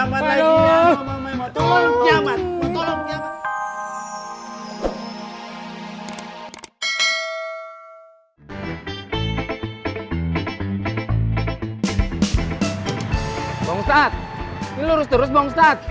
bawang ustadz ini lurus terus bawang ustadz